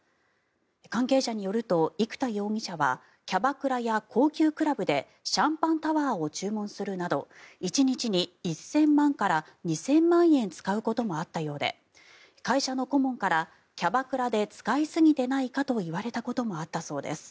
関係者によると、生田容疑者はキャバクラや高級クラブでシャンパンタワーを注文するなど１日に１０００万から２０００万円使うこともあったようで会社の顧問からキャバクラで使いすぎてないかと言われたこともあったそうです。